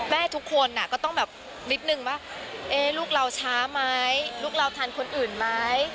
ทุกคนก็ต้องแบบนิดนึงว่าลูกเราช้าไหมลูกเราทันคนอื่นไหม